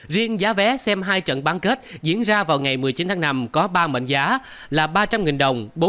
riêng giá vé xem hai trận bán kết diễn ra vào ngày một mươi chín tháng năm có ba mệnh giá là ba trăm linh đồng